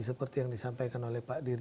seperti yang disampaikan oleh pak dirjen